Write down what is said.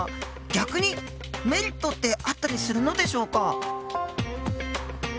逆にメリットってあったりするのでしょうか？